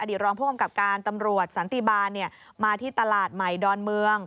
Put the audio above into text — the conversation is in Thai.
รองผู้กำกับการตำรวจสันติบาลมาที่ตลาดใหม่ดอนเมือง